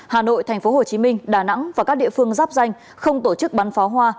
hà nội tp hcm đà nẵng và các địa phương rắp danh không tổ chức bắn phó hoa